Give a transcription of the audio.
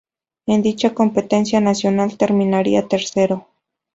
En dicha competencia nacional terminaría tercero.